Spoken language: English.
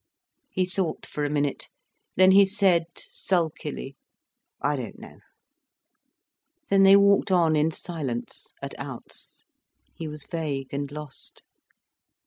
He thought for a minute, then he said, sulkily: "I don't know." Then they walked on in silence, at outs. He was vague and lost.